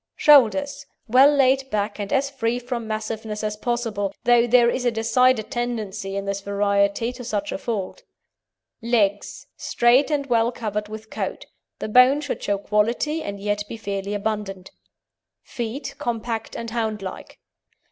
SHOULDERS Well laid back and as free from massiveness as possible, though there is a decided tendency in this variety to such a fault. LEGS Straight and well covered with coat. The bone should show quality and yet be fairly abundant. FEET Compact and hound like.